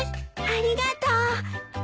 ありがとう。